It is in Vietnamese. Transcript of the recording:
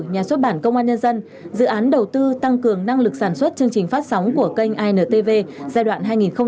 nhà xuất bản công an nhân dân dự án đầu tư tăng cường năng lực sản xuất chương trình phát sóng của kênh intv giai đoạn hai nghìn một mươi sáu hai nghìn hai mươi